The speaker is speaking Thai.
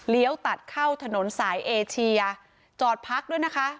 ตัดเข้าถนนสายเอเชียจอดพักด้วยนะคะ